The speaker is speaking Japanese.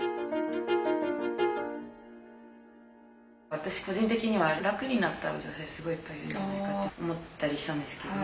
私個人的には楽になった女性すごいいっぱいいるんじゃないかって思ったりしたんですけど。